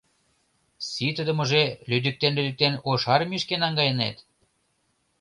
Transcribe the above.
Ситыдымыже лӱдыктен-лӱдыктен ош армийышке наҥгайынет?!